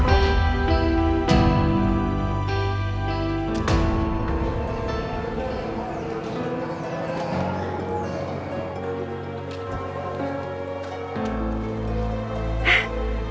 kita dlatego sejebel jebeling